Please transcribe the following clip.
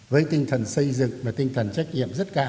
với tinh thần xây dựng và tinh thần trách nhiệm rất cao